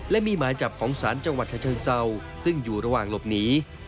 และมีหมายจับของศาลจังหวัดชะเชิงเศร้าซึ่งอยู่ระหว่างหลบหนี